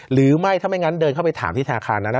หรือไม่เท่านั้นเดินเข้าไปถามที่ธนาคารนั้นนะ